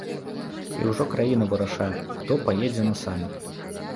І ўжо краіна вырашае, хто паедзе на саміт.